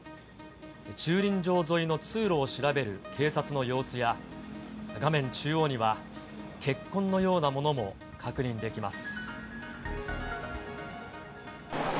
駐輪場沿いの通路を調べる警察の様子や、画面中央には、血痕のようなものも確認できます。